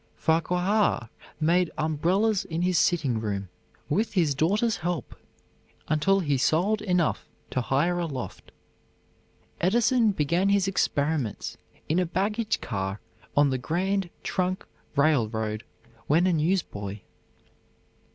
Farquhar made umbrellas in his sitting room, with his daughter's help, until he sold enough to hire a loft. Edison began his experiments in a baggage car on the Grand Trunk Railroad when a newsboy.